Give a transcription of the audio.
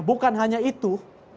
bukan hanya itu